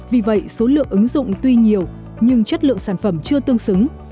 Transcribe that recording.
vì vậy số lượng ứng dụng tuy nhiều nhưng chất lượng sản phẩm chưa tương xứng